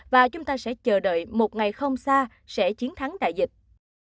và chúng ta sẽ chờ đợi một ngày không xa sẽ chiến thắng đại dịch